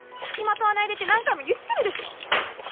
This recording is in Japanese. つきまとわないでって何回も言ってるでしょ。